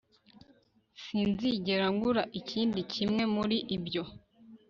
sinzigera ngura ikindi kimwe muri ibyo